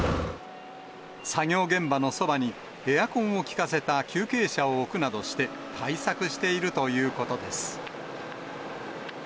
作業現場のそばにエアコンを効かせた休憩車を置くなどして対策しているということです。